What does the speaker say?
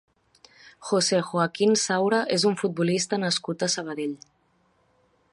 José Joaquín Saura és un futbolista nascut a Sabadell.